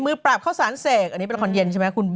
มือปราบเข้าสานเสก